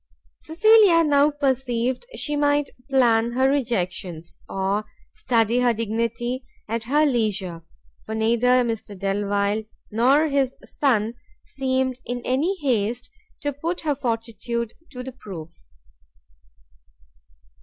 Cecilia now perceived she might plan her rejections, or study her dignity at her leisure, for neither Mr Delvile nor his son seemed in any haste to put her fortitude to the proof.